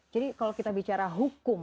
jadi kalau kita bicara hukum